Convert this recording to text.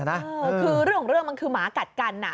คือเรื่องมันคือหมากัดกันนะ